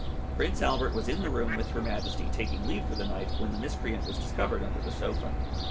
Prince Albert was in the room with her Majesty taking leave for the night when the miscreant was discovered under the sofa.